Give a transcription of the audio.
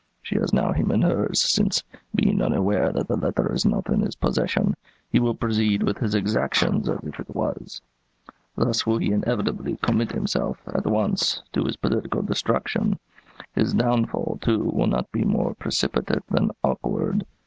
She has now him in hers, since, being unaware that the letter is not in his possession, he will proceed with his exactions as if it was. Thus will he inevitably commit himself, at once, to his political destruction. His downfall, too, will not be more precipitate than awkward.